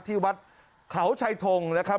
ที่วัดเขาชัยทงนะครับ